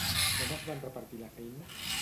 Com es van repartir la feina?